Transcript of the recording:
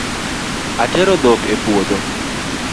Atero dhok e puodho